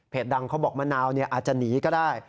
เพจดังเขาบอกมะนาวเนี่ยอาจจะหนีก็ได้